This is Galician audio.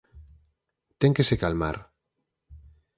Ten que se calmar.